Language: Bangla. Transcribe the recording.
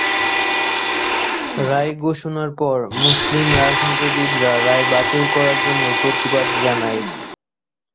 রায় ঘোষণার পর মুসলিম রাজনীতিবিদরা রায় বাতিল করার জন্য প্রতিবাদ জানায়।